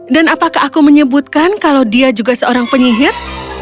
dan apakah aku menyebutkan kalau dia juga seorang penyihir